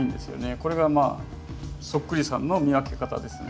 これがそっくりさんの見分け方ですね。